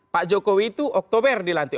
pak jokowi itu oktober dilantik